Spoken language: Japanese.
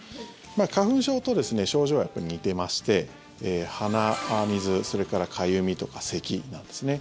花粉症と症状はやっぱり似てまして鼻水、それからかゆみとかせきなんですね。